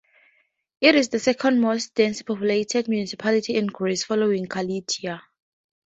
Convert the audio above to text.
It is the second-most densely populated municipality in Greece, following Kallithea.